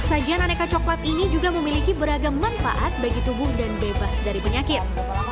sajian aneka coklat ini juga memiliki beragam manfaat bagi tubuh dan bebas dari penyakit